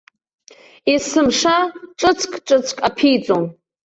Есымша ҿыцк-ҿыцк аԥиҵон.